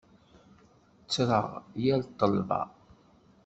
Ttreɣ yal ṭṭelba.